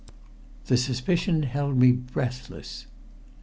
The suspicion held me breathless.